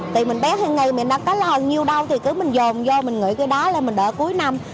tại mình bé hai ngày mình đã có lời nhiều đâu thì cứ mình dồn vô mình nghĩ cái đó là mình đã cuối năm